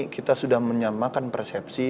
kita sudah menyamakan persepsi